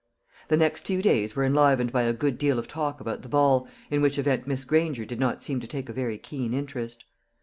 The next few days were enlivened by a good deal of talk about the ball, in which event Miss Granger did not seem to take a very keen interest.